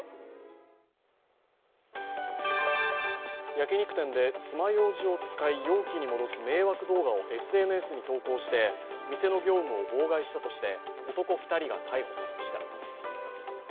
焼き肉店で爪ようじを使い容器に戻す迷惑動画をＳＮＳに投稿して店の業務を妨害したとして男２人が逮捕されました。